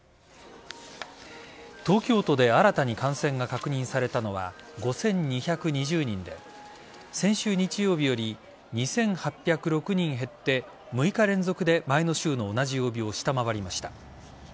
東京都で新たに感染が確認されたのは５２２０人で先週日曜日より２８０６人減って６日連続で前の週の同じ曜日を下回りました。